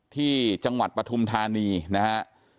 ที่จังหวัดปฐุมธานีนะฮะ